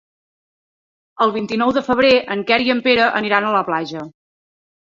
El vint-i-nou de febrer en Quer i en Pere aniran a la platja.